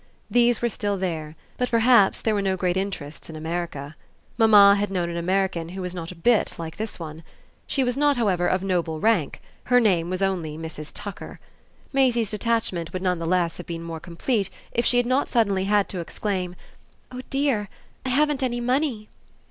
These were still there, but perhaps there were no great interests in America. Mamma had known an American who was not a bit like this one. She was not, however, of noble rank; her name was only Mrs. Tucker. Maisie's detachment would none the less have been more complete if she had not suddenly had to exclaim: "Oh dear, I haven't any money!"